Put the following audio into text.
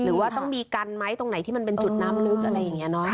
หรือว่าต้องมีกันไหมตรงไหนที่มันเป็นจุดน้ำลึกอะไรอย่างนี้เนอะ